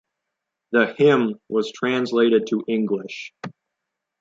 The hymn was translated to English.